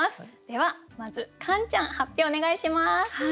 ではまずカンちゃん発表お願いします。